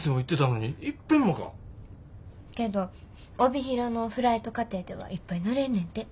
けど帯広のフライト課程ではいっぱい乗れんねんて。